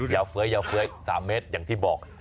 ยาวเฟ้ยยาวเฟ้ย๓เมตรอย่างที่บอก